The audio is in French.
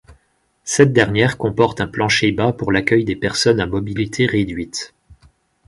Cette dernière comporte un plancher bas pour l'accueil des personnes à mobilité réduite.